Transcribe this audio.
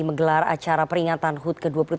menggelar acara peringatan hud ke dua puluh tiga